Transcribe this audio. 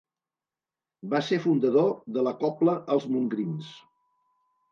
Va ser fundador de la cobla Els Montgrins.